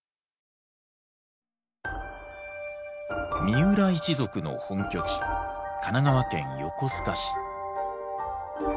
三浦一族の本拠地神奈川県横須賀市。